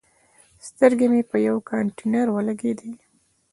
سترګې مې په یوه کانتینر ولګېدې.